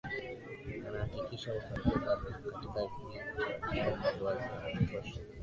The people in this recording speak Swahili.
Anahakikisha mafanikio katika vita au mvua za kutosha